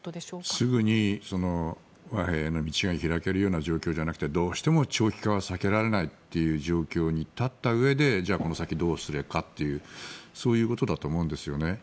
すぐに和平への道が開けるような状況ではなくてどうしても長期化は避けられない状況に立ったうえでじゃあこの先どうするかというそういうことだと思うんですよね